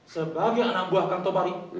sebagai anak buah kang tobari